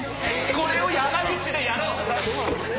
これを山口でやろう！